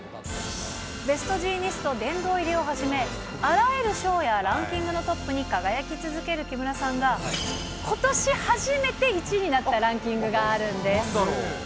ベストジーニスト殿堂入りをはじめ、あらゆる賞やランキングのトップに輝き続ける木村さんが、ことし初めて１位になったランキングがあるんです。